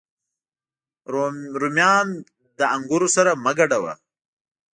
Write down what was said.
رومیان له انګورو سره مه ګډوه